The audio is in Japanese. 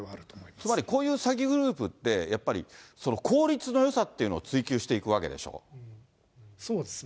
つまり、こういう詐欺グループって、やっぱり効率のよさってそうですね。